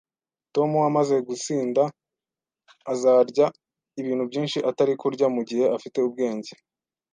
Tom amaze gusinda, azarya ibintu byinshi atari kurya mugihe afite ubwenge